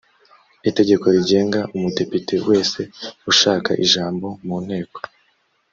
itegeko rigenga umudepite wese ushaka ijambo mu nteko